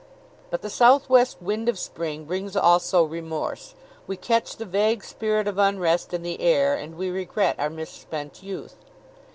But the southwest wind of Spring brings also remorse. We catch the vague spirit of unrest in the air and we regret our misspent youth.